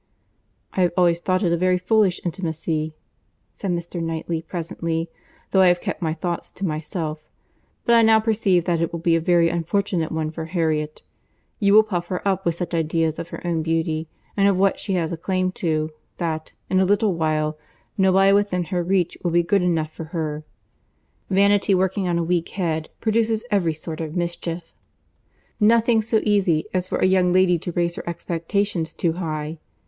"I have always thought it a very foolish intimacy," said Mr. Knightley presently, "though I have kept my thoughts to myself; but I now perceive that it will be a very unfortunate one for Harriet. You will puff her up with such ideas of her own beauty, and of what she has a claim to, that, in a little while, nobody within her reach will be good enough for her. Vanity working on a weak head, produces every sort of mischief. Nothing so easy as for a young lady to raise her expectations too high.